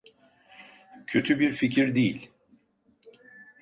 Kötü bir fikir değil.